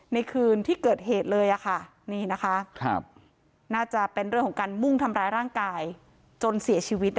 โปรดติดตามตอนต่อไป